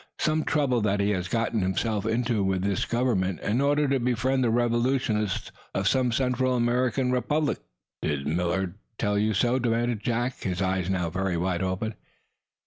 Some trouble that he has gotten himself into with this government in order to befriend the revolutionists of some Central American republic." "Did Millard tell you so?" demanded Jack Benson, his eyes now very wide open.